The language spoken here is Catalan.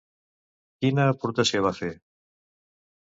Quina aportació va fer?